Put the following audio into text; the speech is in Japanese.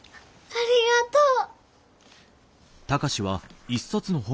ありがとう！